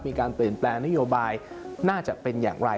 มีการเปลี่ยนแปลงนโยบายน่าจะเป็นอย่างไร